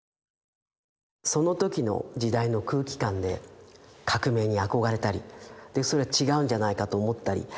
その時の時代の空気感で革命に憧れたりそれは違うんじゃないかと思ったり。